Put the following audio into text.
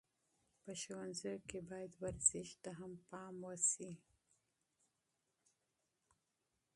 په ښوونځیو کې باید ورزش ته هم پام وسي.